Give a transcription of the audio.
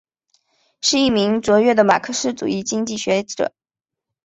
是一名卓越的马克思主义经济学者。